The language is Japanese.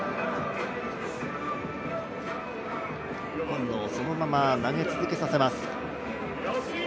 今野をそのまま投げ続けさせます。